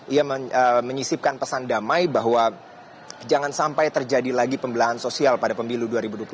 ia menyisipkan pesan damai bahwa jangan sampai terjadi lagi pembelahan sosial pada pemilu dua ribu dua puluh